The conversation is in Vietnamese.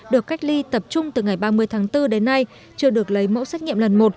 được cách ly tập trung từ ngày ba mươi tháng bốn đến nay chưa được lấy mẫu xét nghiệm lần một